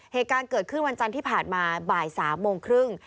เหตุการณ์เกิดขึ้นวันจันทร์ที่ผ่านมาบ่าย๓โมงครึ่ง